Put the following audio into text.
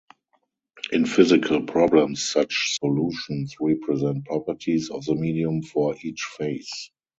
In physical problems such solutions represent properties of the medium for each phase.